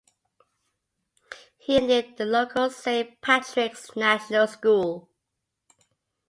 He attended the local Saint Patrick's National School.